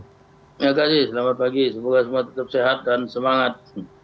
terima kasih selamat pagi semoga semua tetap sehat dan semangat